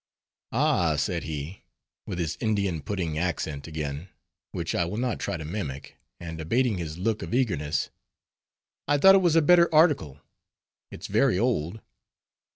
"Ah!" said he, with his Indian pudding accent again, which I will not try to mimic, and abating his look of eagerness, "I thought it was a better article, it's very old."